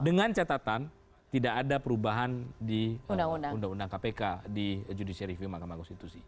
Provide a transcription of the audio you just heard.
dengan catatan tidak ada perubahan di undang undang kpk di judicial review mahkamah konstitusi